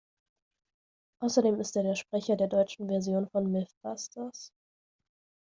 Außerdem ist er der Sprecher der deutschen Version von Mythbusters.